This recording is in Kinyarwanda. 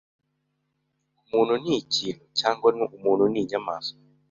umuntu n’ikintu cyangwa umuntu n’inyamaswa: